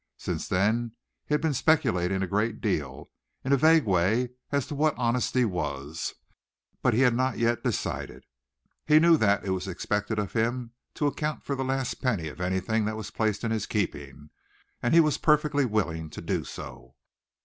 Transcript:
Since then he had been speculating a great deal, in a vague way as to what honesty was, but he had not yet decided. He knew that it was expected of him to account for the last penny of anything that was placed in his keeping and he was perfectly willing to do so.